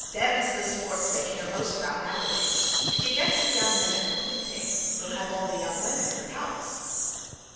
Them's the sports they care most about now a days. If you gets the young men at the quintain, you'll have all the young women in the pouts.'